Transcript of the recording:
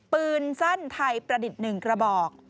ปืนสั้นไทยประดิษฐ์๑กระบอก